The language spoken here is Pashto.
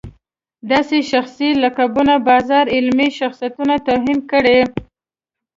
داسې شخصي لقبونو بازار علمي شخصیتونو توهین کړی.